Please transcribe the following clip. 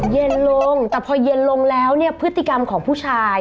เย็นลงแต่พอเย็นลงแล้วเนี่ยพฤติกรรมของผู้ชาย